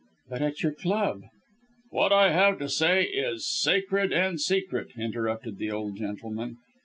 "But at your club " "What I have to say is sacred and secret," interrupted the old gentleman.